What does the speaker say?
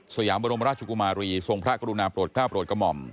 ยามบรมราชกุมารีทรงพระกรุณาโปรดกล้าโปรดกระหม่อม